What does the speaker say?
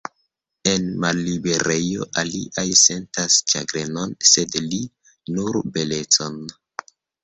En malliberejo, aliaj sentas ĉagrenon, sed li, nur belecon.